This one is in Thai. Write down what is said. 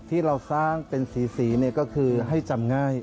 ที่เราสร้างเป็นสีก็คือให้จำง่าย